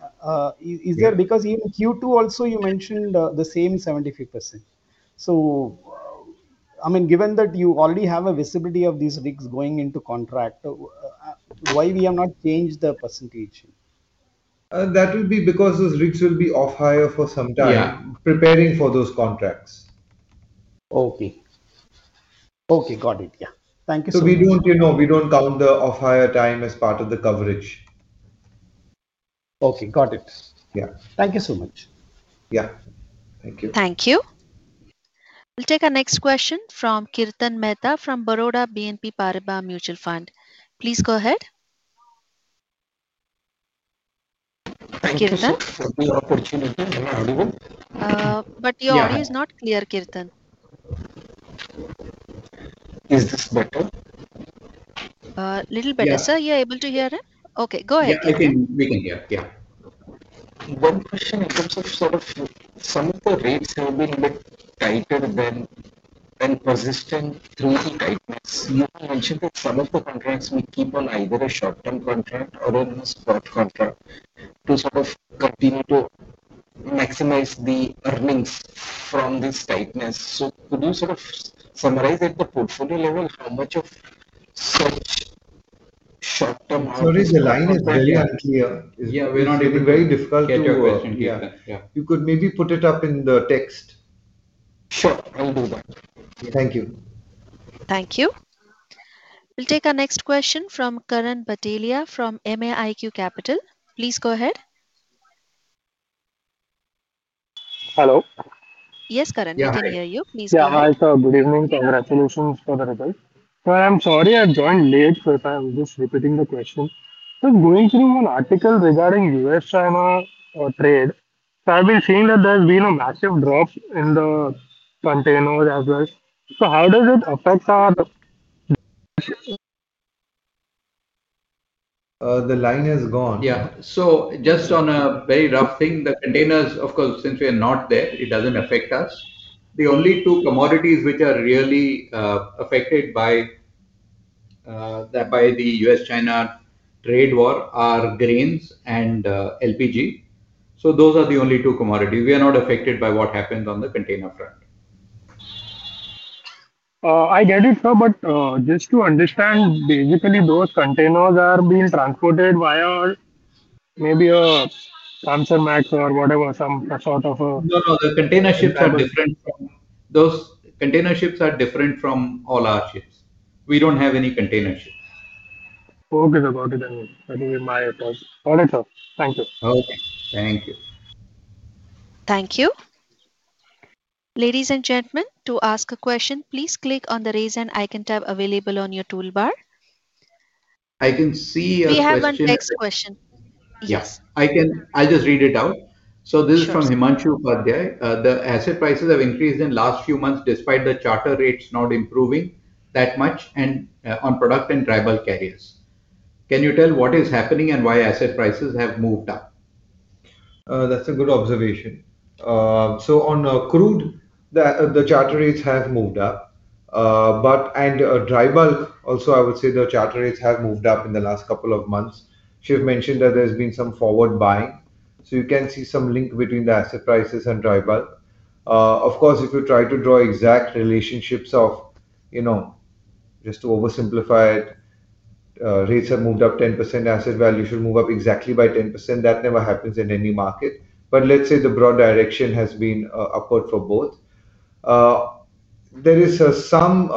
Is there—because in Q2 also, you mentioned the same 75%. I mean, given that you already have a visibility of these rigs going into contract, why have you not changed the percentage? That will be because those rigs will be off-hire for some time, preparing for those contracts. Okay. Got it. Yeah. Thank you so much. We do not count the off-hire time as part of the coverage. Okay. Got it. Yeah. Thank you so much. Yeah. Thank you. Thank you. We'll take our next question from Kirtan Mehta from Baroda BNP Paribas Mutual Fund. Please go ahead. Thank you, sir. But your audio is not clear, Kirtan. Is this better? A little better. Sir, you're able to hear it? Okay. Go ahead. We can hear. Yeah. One question in terms of sort of some of the rates have been a bit tighter than persistent 3D tightness. You mentioned that some of the contracts may keep on either a short-term contract or a spot contract to sort of continue to maximize the earnings from this tightness. So could you sort of summarize at the portfolio level how much of such short-term— Sorry. The line is very unclear. Yeah. We're not able to— It's very difficult to get your question. Yeah. Yeah. You could maybe put it up in the text. Sure. I'll do that. Thank you. Thank you. We'll take our next question from Karan Bhatelia from MAIQ Capital. Please go ahead. Hello. Yes, Karan. We can hear you. Please go ahead. Yeah. Hi, sir. Good evening. Congratulations for the result. Sir, I'm sorry I joined late, so if I'm just repeating the question. I was going through an article regarding U.S.-China trade. I've been seeing that there's been a massive drop in the containers as well. How does it affect our— The line has gone. Yeah. Just on a very rough thing, the containers, of course, since we are not there, it does not affect us. The only two commodities which are really affected by the U.S.-China trade war are grains and LPG. Those are the only two commodities. We are not affected by what happens on the container front. I get it, sir. But just to understand, basically, those containers are being transported via maybe a transfer max or whatever, some sort of a— The container ships are different from those container ships are different from all our ships. We do not have any container ships. Okay. Got it. I will be my apology. Got it, sir. Thank you. Okay Thank you. Thank you. Ladies and gentlemen, to ask a question, please click on the raise an icon tab available on your toolbar. I can see a question. We have one next question. Yes. I will just read it out. This is from Himanshu Upadhyay. The asset prices have increased in the last few months despite the charter rates not improving that much on product and dry bulk carriers. Can you tell what is happening and why asset prices have moved up? That is a good observation. On crude, the charter rates have moved up. Tribal, also, I would say the charter rates have moved up in the last couple of months. Shiv mentioned that there has been some forward buying. You can see some link between the asset prices and tribal. Of course, if you try to draw exact relationships of, just to oversimplify it, rates have moved up 10%, asset value should move up exactly by 10%. That never happens in any market. The broad direction has been upward for both. There is some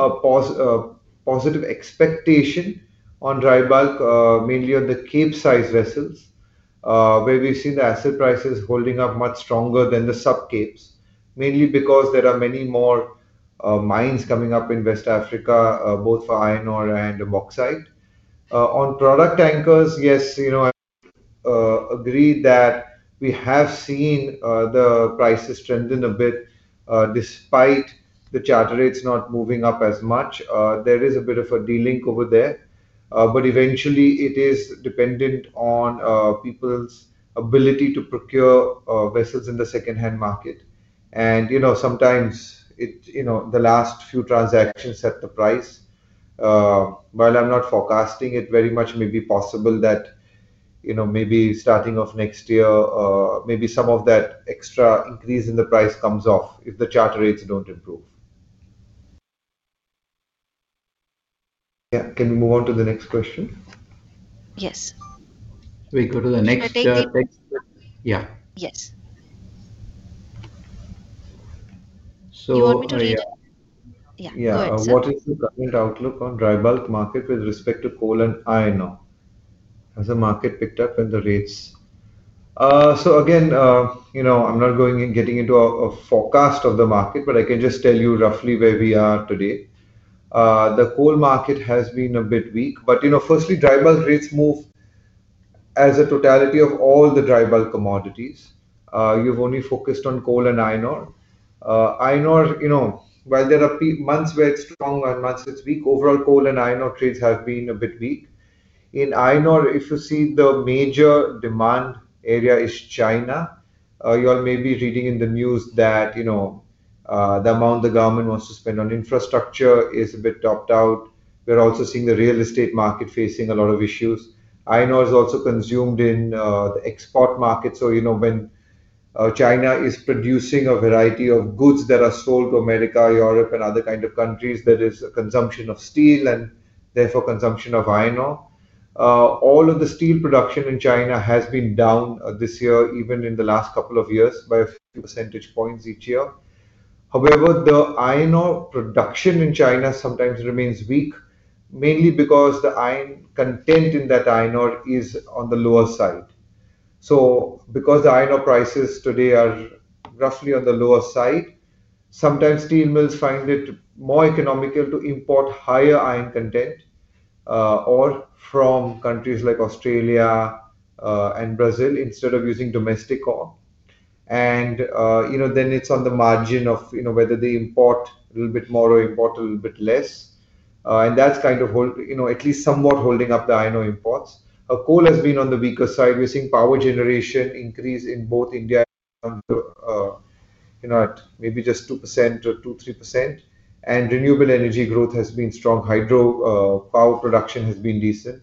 positive expectation on tribal, mainly on the cape-sized vessels, where we have seen the asset prices holding up much stronger than the sub-capes, mainly because there are many more mines coming up in West Africa, both for iron ore and bauxite. On product tankers, yes, I agree that we have seen the prices strengthen a bit despite the charter rates not moving up as much. There is a bit of a de-link over there. Eventually, it is dependent on people's ability to procure vessels in the second-hand market. Sometimes, the last few transactions set the price. While I'm not forecasting it very much, maybe possible that maybe starting of next year, some of that extra increase in the price comes off if the charter rates do not improve. Yeah. Can we move on to the next question? Yes. Can we go to the next? Yeah. Yes. You want me to read? Yeah. Yeah. What is the current outlook on dry bulk market with respect to coal and iron ore? Has the market picked up in the rates? Again, I'm not getting into a forecast of the market, but I can just tell you roughly where we are today. The coal market has been a bit weak. Firstly, tribal rates move as a totality of all the tribal commodities. You've only focused on coal and iron ore. While there are months where it's strong and months it's weak, overall, coal and iron ore trades have been a bit weak. In iron ore, if you see, the major demand area is China. You're maybe reading in the news that the amount the government wants to spend on infrastructure is a bit topped out. We're also seeing the real estate market facing a lot of issues. Iron ore is also consumed in the export market. So when China is producing a variety of goods that are sold to America, Europe, and other kinds of countries, there is a consumption of steel and therefore consumption of iron ore. All of the steel production in China has been down this year, even in the last couple of years, by a few percentage points each year. However, the iron ore production in China sometimes remains weak, mainly because the iron content in that iron ore is on the lower side. Because the iron ore prices today are roughly on the lower side, sometimes steel mills find it more economical to import higher iron content ore from countries like Australia and Brazil instead of using domestic ore. It is on the margin of whether they import a little bit more or import a little bit less. That is at least somewhat holding up the iron ore imports. Coal has been on the weaker side. We are seeing power generation increase in both India and the United States, maybe just 2% or 2-3%. Renewable energy growth has been strong. Hydropower production has been decent.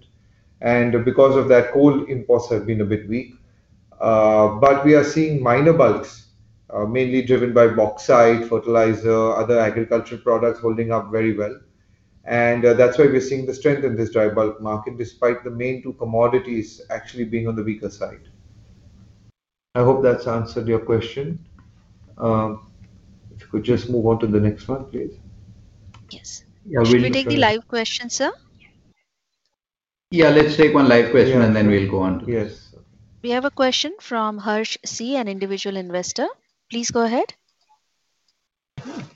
Because of that, coal imports have been a bit weak. We are seeing minor bulks, mainly driven by bauxite, fertilizer, other agricultural products holding up very well. That is why we are seeing the strength in this dry bulk market despite the main two commodities actually being on the weaker side. I hope that has answered your question. If you could just move on to the next one, please. Yes. Can we take the live question, sir? Yeah. Let's take one live question, and then we will go on to the next. Yes. We have a question from [Hersh C], an individual investor. Please go ahead.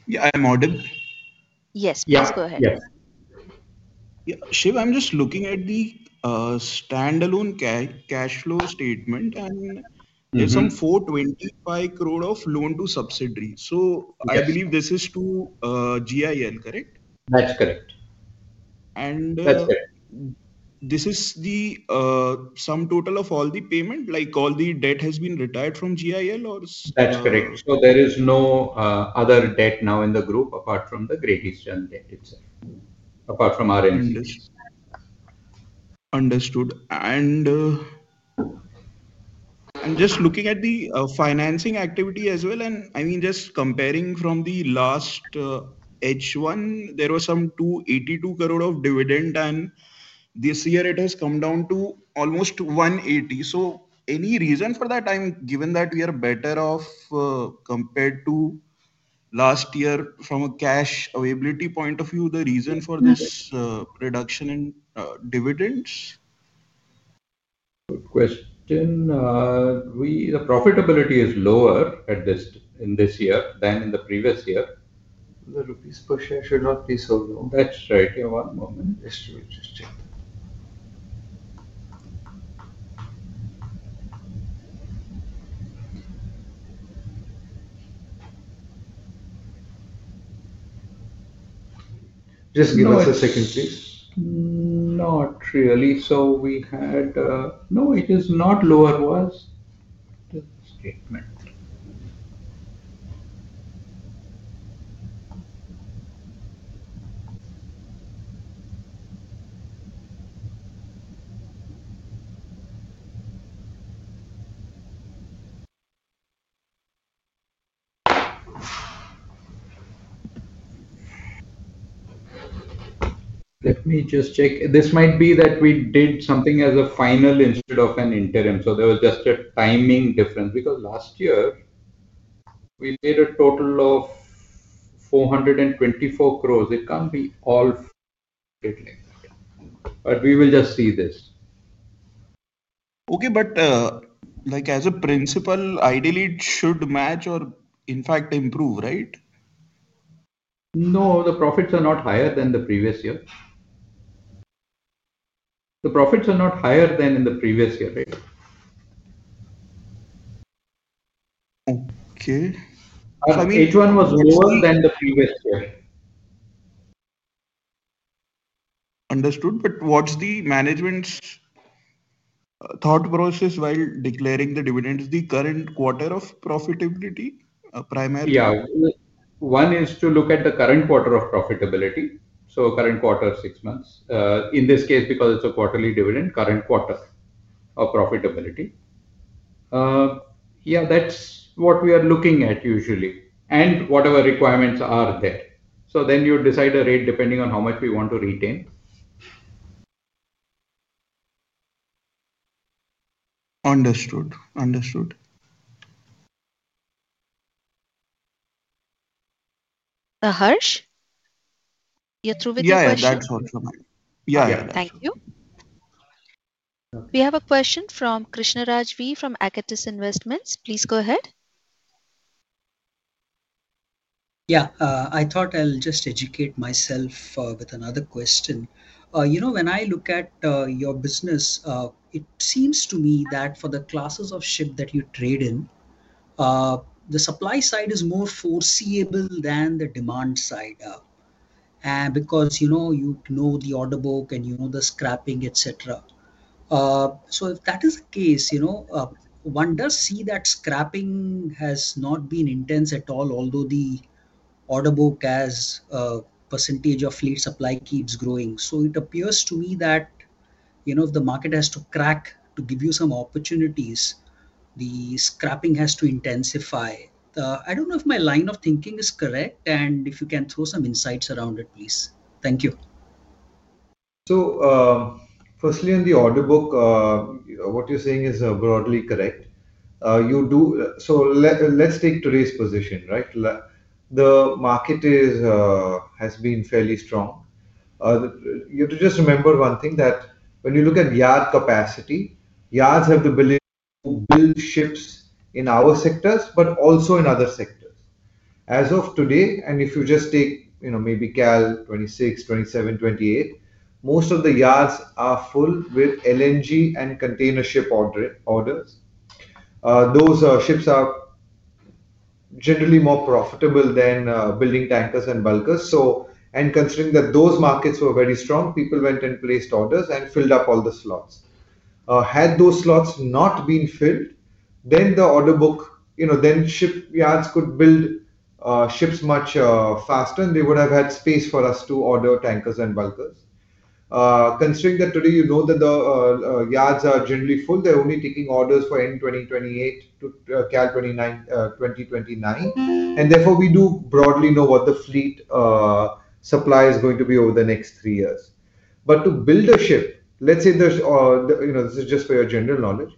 Yeah. Am I audible? Yes. Please go ahead. Yeah. Shiv, I am just looking at the standalone cash flow statement, and there is some 425 crore of loan to subsidiaries. I believe this is to GIL, correct? That's correct. That's correct. This is the sum total of all the payment? All the debt has been retired from GIL, or? That's correct. There is no other debt now in the group apart from the Great Eastern debt itself, apart from R&D. Understood. Just looking at the financing activity as well, I mean, just comparing from the last H1, there was some 282 crore of dividend, and this year, it has come down to almost 180 crore. Any reason for that? Given that we are better off compared to last year from a cash availability point of view, the reason for this reduction in dividends? Good question. The profitability is lower in this year than in the previous year. The rupees per share should not be so low. That's right. One moment. Just to check. Just give us a second, please. Not really. So we had no, it is not lower. Was the statement? Let me just check. This might be that we did something as a final instead of an interim. So there was just a timing difference. Because last year, we did a total of 424 crore. It cannot be all like that. We will just see this. Okay. As a principle, ideally, it should match or, in fact, improve, right? No. The profits are not higher than the previous year. The profits are not higher than in the previous year, right? Okay. H1 was lower than the previous year. Understood. What is the management's thought process while declaring the dividends? The current quarter of profitability, primarily? Yeah. One is to look at the current quarter of profitability. Current quarter, six months. In this case, because it's a quarterly dividend, current quarter of profitability. Yeah. That's what we are looking at usually and whatever requirements are there. You decide a rate depending on how much we want to retain. Understood. Understood. Hersh, you're through with your question? Yeah. That's also mine. Yeah. Yeah. Thank you. We have a question from Krishnaraj V from Acatis Investments. Please go ahead. Yeah. I thought I'll just educate myself with another question. When I look at your business, it seems to me that for the classes of ship that you trade in, the supply side is more foreseeable than the demand side because you know the order book and you know the scrapping, etc. If that is the case, one does see that scrapping has not been intense at all, although the order book as a percentage of fleet supply keeps growing. It appears to me that if the market has to crack to give you some opportunities, the scrapping has to intensify. I do not know if my line of thinking is correct, and if you can throw some insights around it, please. Thank you. Firstly, on the order book, what you are saying is broadly correct. Let us take today's position, right? The market has been fairly strong. You have to just remember one thing: when you look at yard capacity, yards have the ability to build ships in our sectors but also in other sectors. As of today, and if you just take maybe calendar 2026, 2027, 2028, most of the yards are full with LNG and container ship orders. Those ships are generally more profitable than building tankers and bulkers. Considering that those markets were very strong, people went and placed orders and filled up all the slots. Had those slots not been filled, then the order book, then shipyards could build ships much faster, and they would have had space for us to order tankers and bulkers. Considering that today, you know that the yards are generally full, they're only taking orders for end 2028 to calendar 2029. Therefore, we do broadly know what the fleet supply is going to be over the next three years. To build a ship, let's say this is just for your general knowledge,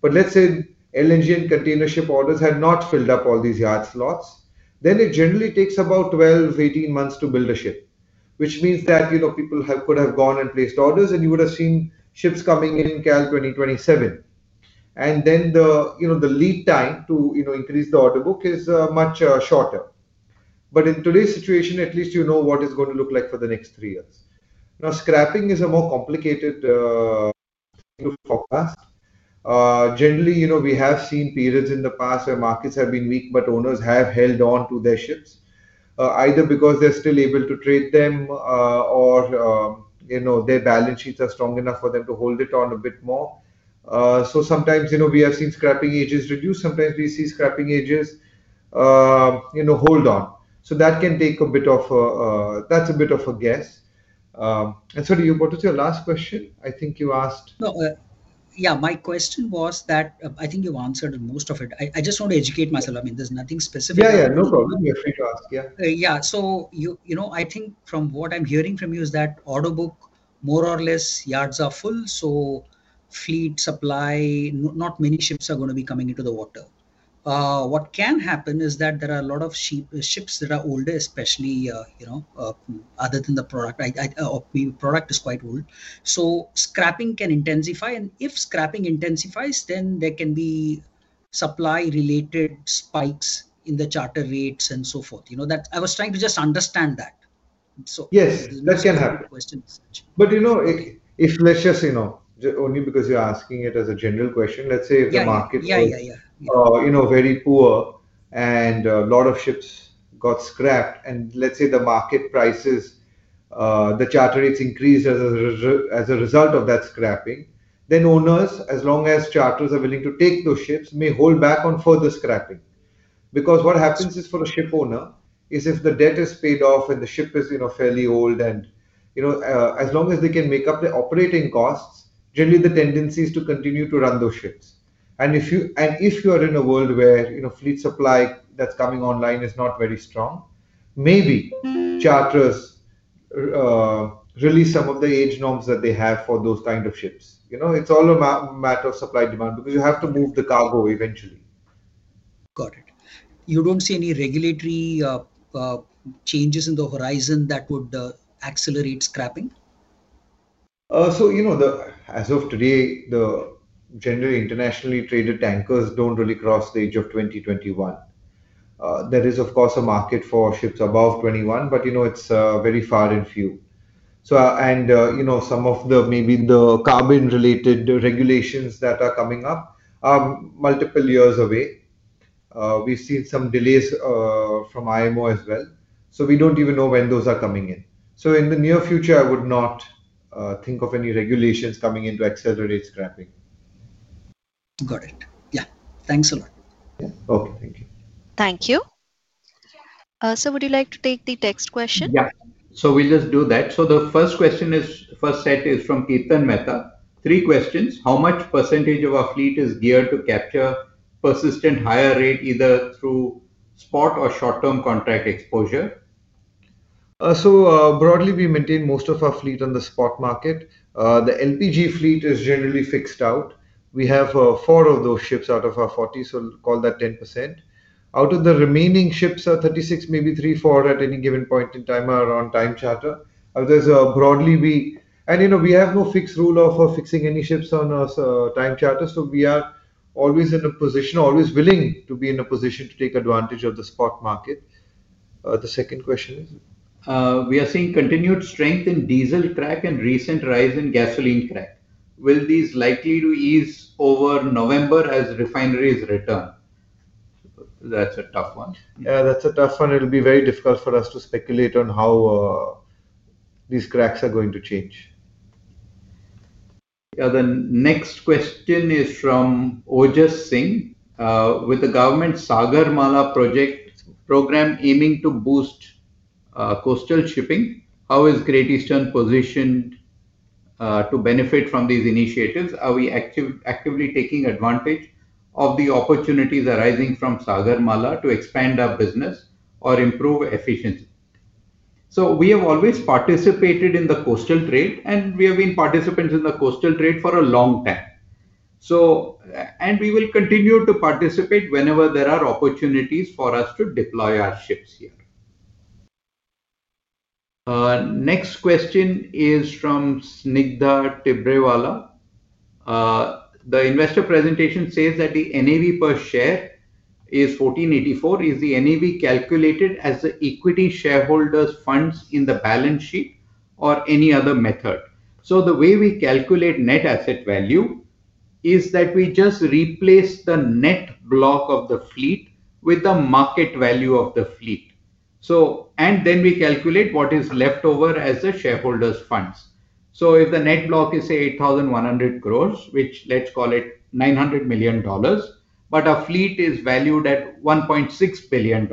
but let's say LNG and container ship orders had not filled up all these yard slots, then it generally takes about 12-18 months to build a ship, which means that people could have gone and placed orders, and you would have seen ships coming in calendar 2027. The lead time to increase the order book is much shorter. In today's situation, at least you know what it's going to look like for the next three years. Now, scrapping is a more complicated forecast. Generally, we have seen periods in the past where markets have been weak, but owners have held on to their ships, either because they're still able to trade them or their balance sheets are strong enough for them to hold it on a bit more. Sometimes we have seen scrapping ages reduce. Sometimes we see scrapping ages hold on. That can take a bit of a guess. Sorry, you wanted to say your last question? I think you asked. Yeah. My question was that I think you've answered most of it. I just want to educate myself. I mean, there's nothing specific. Yeah. No problem. You're free to ask. Yeah. Yeah. I think from what I'm hearing from you is that order book, more or less, yards are full. Fleet supply, not many ships are going to be coming into the water. What can happen is that there are a lot of ships that are older, especially other than the product. I mean, the product is quite old. Scrapping can intensify. If scrapping intensifies, then there can be supply-related spikes in the charter rates and so forth. I was trying to just understand that. That is what the question is. If, only because you are asking it as a general question, the market was very poor and a lot of ships got scrapped, and the market prices, the charter rates increased as a result of that scrapping, then owners, as long as charters are willing to take those ships, may hold back on further scrapping. What happens for a ship owner is if the debt is paid off and the ship is fairly old, and as long as they can make up the operating costs, generally, the tendency is to continue to run those ships. If you are in a world where fleet supply that is coming online is not very strong, maybe charters release some of the age norms that they have for those kinds of ships. It is all a matter of supply-demand because you have to move the cargo eventually. Got it. You do not see any regulatory changes on the horizon that would accelerate scrapping? As of today, the generally internationally traded tankers do not really cross the age of 21. There is, of course, a market for ships above 21, but it is very far and few. Some of the maybe the carbon-related regulations that are coming up are multiple years away. We have seen some delays from IMO as well. We do not even know when those are coming in. In the near future, I would not think of any regulations coming in to accelerate scrapping. Got it. Yeah. Thanks a lot. Okay. Thank you. Thank you. Hersh, would you like to take the text question? Yeah. So we'll just do that. The first question is, first set is from Kirtan Mehta. Three questions. How much percentage of our fleet is geared to capture persistent higher rate, either through spot or short-term contract exposure? Broadly, we maintain most of our fleet on the spot market. The LPG fleet is generally fixed out. We have four of those ships out of our 40, so call that 10%. Out of the remaining ships, 36, maybe three, four at any given point in time are on time charter. We have no fixed rule of fixing any ships on time charter. We are always in a position, always willing to be in a position to take advantage of the spot market. The second question is? We are seeing continued strength in diesel crack and recent rise in gasoline crack. Will these likely to ease over November as refineries return? That's a tough one. Yeah. That's a tough one. It'll be very difficult for us to speculate on how these cracks are going to change. The next question is from Ojas Singh. With the government Sagarmala project program aiming to boost coastal shipping, how is Great Eastern positioned to benefit from these initiatives? Are we actively taking advantage of the opportunities arising from Sagarmala to expand our business or improve efficiency? We have always participated in the coastal trade, and we have been participants in the coastal trade for a long time. We will continue to participate whenever there are opportunities for us to deploy our ships here. Next question is from Snigda Tibrewala. The investor presentation says that the NAV per share is 1,484. Is the NAV calculated as the equity shareholders' funds in the balance sheet or any other method? The way we calculate net asset value is that we just replace the net block of the fleet with the market value of the fleet. We then calculate what is left over as the shareholders' funds. If the net block is, say, 8,100 crore, which let's call $900 million, but our fleet is valued at $1.6 billion,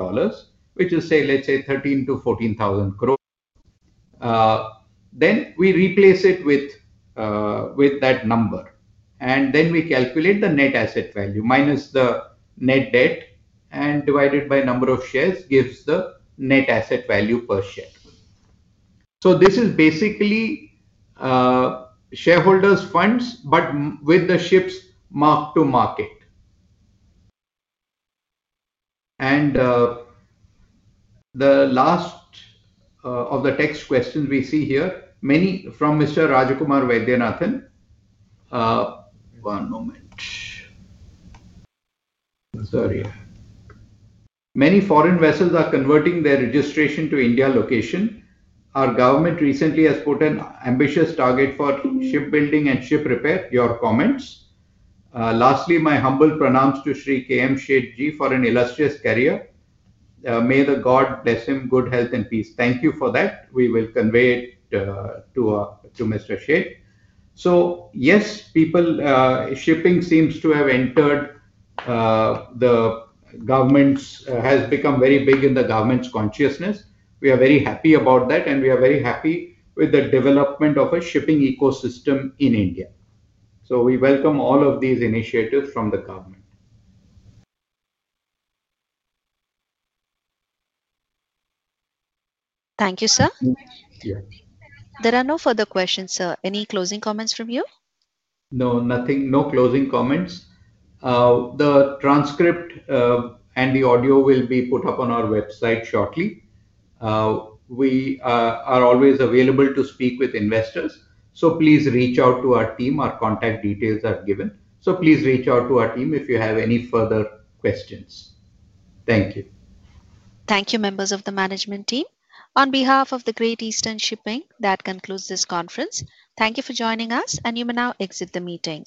which is, let's say, 13,000-14,000 crore, then we replace it with that number. We then calculate the net asset value minus the net debt and divided by number of shares gives the net asset value per share. This is basically shareholders' funds but with the ships marked to market. The last of the text questions we see here, many from Mr. Rajakumar Vaidyanathan. One moment. Sorry. Many foreign vessels are converting their registration to India location. Our government recently has put an ambitious target for shipbuilding and ship repair. Your comments? Lastly, my humble pronouns to Shri K.M. Sheth Ji for an illustrious career. May the God bless him, good health, and peace. Thank you for that. We will convey it to Mr. Sheth. Shipping seems to have entered the government's has become very big in the government's consciousness. We are very happy about that, and we are very happy with the development of a shipping ecosystem in India. We welcome all of these initiatives from the government. Thank you, sir. There are no further questions, sir. Any closing comments from you? No. Nothing. No closing comments. The transcript and the audio will be put up on our website shortly. We are always available to speak with investors. Please reach out to our team. Our contact details are given. Please reach out to our team if you have any further questions. Thank you. Thank you, members of the management team. On behalf of the Great Eastern Shipping Company, that concludes this conference. Thank you for joining us, and you may now exit the meeting.